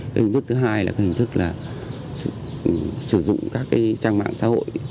hình thức thứ hai là hình thức sử dụng các trang mạng xã hội